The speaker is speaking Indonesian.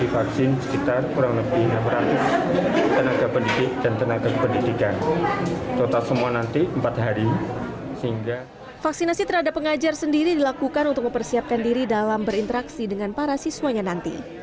vaksinasi terhadap pengajar sendiri dilakukan untuk mempersiapkan diri dalam berinteraksi dengan para siswanya nanti